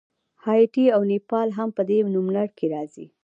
هایټي او نیپال هم په دې نوملړ کې راځي.